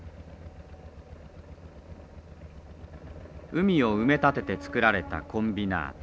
海を埋め立てて造られたコンビナート。